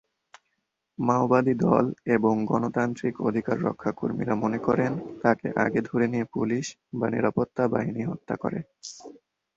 মাওবাদী দল এবং গণতান্ত্রিক অধিকার রক্ষা কর্মীরা মনে করেন তাকে আগে ধরে নিয়ে পুলিশ বা নিরাপত্তা বাহিনী হত্যা করে।